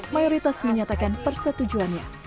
mayoritas menyatakan persetujuannya